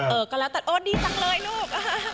เออก็แล้วแต่โอนดีจังเลยลูก